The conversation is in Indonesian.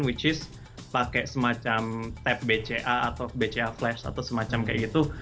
which is pakai semacam tap bca atau bca flash atau semacam kayak gitu